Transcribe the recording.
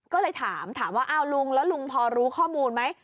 ก็เลยถามถามว่าอ้าวลุงแล้วลุงพอรู้ข้อมูลไหม